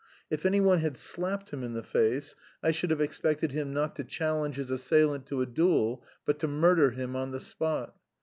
If anyone had slapped him in the face, I should have expected him not to challenge his assailant to a duel, but to murder him on the spot.